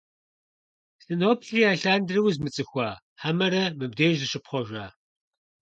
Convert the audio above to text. Сыноплъри, алъандэрэ узмыцӀыхуа, хьэмэрэ мыбдеж зыщыпхъуэжа?!